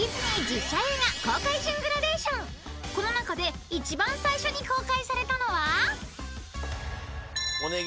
［この中で一番最初に公開されたのは？］